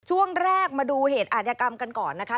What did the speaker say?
ช่วงแรกมาดูเหตุอาจยกรรมกันก่อนนะคะ